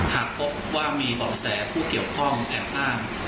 หากพบว่ามีเบาะแสผู้เกี่ยวข้องแอบอ้าง